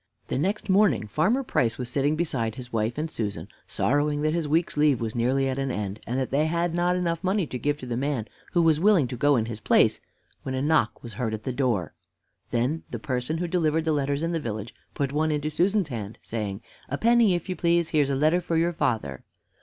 The next morning Farmer Price was sitting beside his wife and Susan sorrowing that his week's leave was nearly at an end, and that they had not enough money to give to the man who was willing to go in his place, when a knock was heard at the door. Then the person who delivered the letters in the village put one into Susan's hand, saying, "A penny, if you please here's a letter for your father."